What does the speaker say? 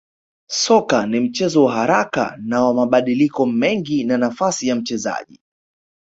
Soka ni mchezo wa haraka na wa mabadiliko mengi na nafasi ya mchezaji